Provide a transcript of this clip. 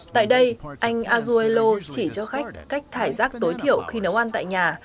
tại đây anh azuello chỉ cho khách cách thải rác tối thiểu khi nấu ăn tại nhà